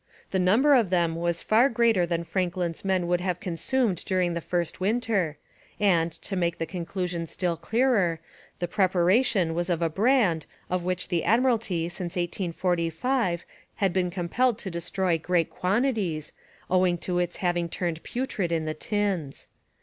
The number of them was far greater than Franklin's men would have consumed during the first winter, and, to make the conclusion still clearer, the preparation was of a brand of which the Admiralty since 1845 had been compelled to destroy great quantities, owing to its having turned putrid in the tins.